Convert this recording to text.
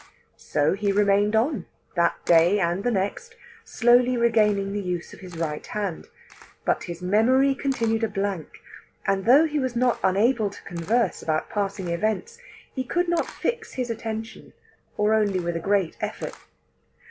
So he remained on, that day and the next, slowly regaining the use of his right hand. But his memory continued a blank; and though he was not unable to converse about passing events, he could not fix his attention, or only with a great effort.